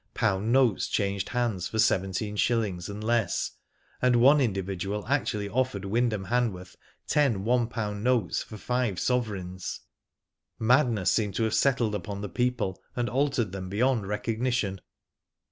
Pound notes changed hands for seventeen shillings and less, and one individual actually offered Wyndham Hanworth ten one pound notes for five sovereigns. Madness seemed to have settled upon the people and altered them beydnd recognition.